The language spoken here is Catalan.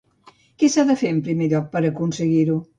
Què s'ha de fer, en primer lloc, per aconseguir-ho?